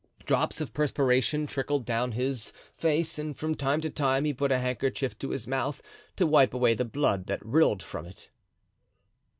Drops of perspiration trickled down his face, and from time to time he put a handkerchief to his mouth to wipe away the blood that rilled from it.